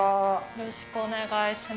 よろしくお願いします。